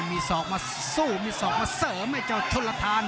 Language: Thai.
มีสกมาสู้มีสกมาเสิร์มไอ้เจ้าทุลธาน